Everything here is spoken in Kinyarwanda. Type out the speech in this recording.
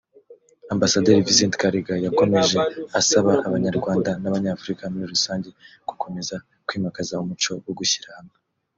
Ambasaderi Vicent Karega yakomeje asaba Abanyarwanda n’Abanyafurika muri rusange gukomeza kwimakaza umuco wo gushyira hamwe